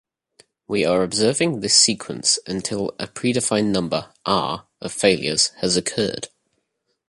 We are observing this sequence until a predefined number "r" of failures has occurred.